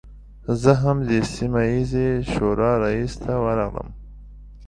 زه هم د سیمه ییزې شورا رئیس ته ورغلم.